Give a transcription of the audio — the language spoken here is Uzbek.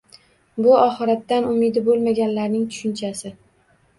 Bu Oxiratdan umidi bo‘lmaganlarning tushunchasi.